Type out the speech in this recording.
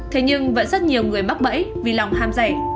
thế nhưng vẫn rất nhiều người mắc bẫy vì lòng ham rẻ